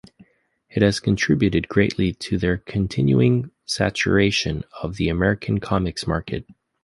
It has contributed greatly to their continuing saturation of the American comics market.